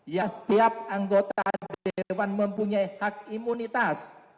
ya setiap anggota di depan mempunyai hak imunitas